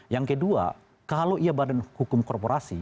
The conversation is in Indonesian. yang kedua kalau ia badan hukum korporasi